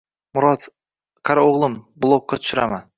Murod, qara o‘g‘lim, blokka tushiraman